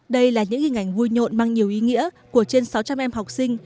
đây là những hình ảnh vui nhộn mang nhiều ý nghĩa của trên sáu trăm linh em học sinh